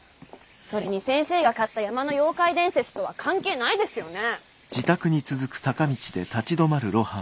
それに先生が買った山の妖怪伝説とは関係ないですよね？